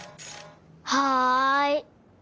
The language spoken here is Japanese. はい。